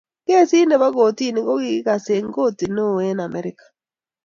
Kesit nebo kortini kokikikas eng korti neo eng Amerika.